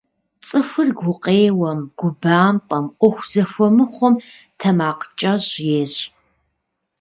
Цӏыхур гукъеуэм, губампӏэм, ӏуэху зэхуэмыхъум тэмакъкӏэщӏ ещӏ.